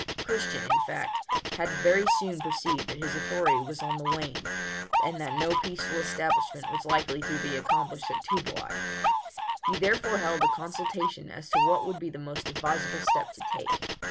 Christian, in fact, had very soon perceived that his authority was on the wane, and that no peaceful establishment was likely to be accomplished at Toobouai; he therefore held a consultation as to what would be the most advisable step to take.